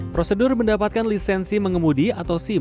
prosedur mendapatkan lisensi menggunakan sim